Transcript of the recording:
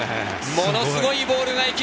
ものすごいボールが行き